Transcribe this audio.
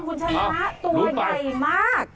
คุณชนะตัวใหญ่มาก